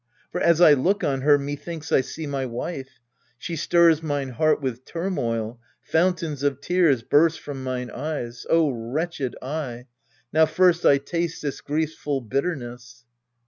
For, as I look on her, methinks I see My wife : she stirs mine heart with turmoil : fountains Of tears burst from mine eyes. O wretched I ! Now first I taste this grief's full bitterness.